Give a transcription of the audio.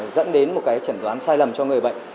dẫn đến một cái trần đoán sai lầm cho người bệnh